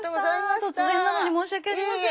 突然なのに申し訳ありません。